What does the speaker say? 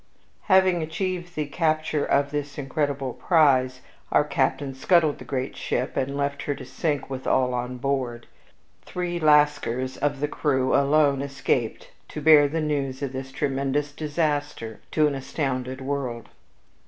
Having achieved the capture of this incredible prize, our captain scuttled the great ship and left her to sink with all on board. Three Lascars of the crew alone escaped to bear the news of this tremendous disaster to an astounded world.